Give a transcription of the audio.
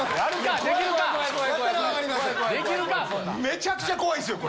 めちゃくちゃ怖いっすよ